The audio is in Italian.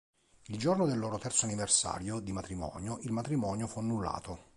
Il giorno del loro terzo anniversario di matrimonio il matrimonio fu annullato.